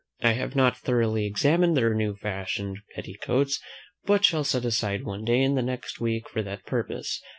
I have not thoroughly examined their new fashioned petticoats, but shall set aside one day in the next week for that purpose.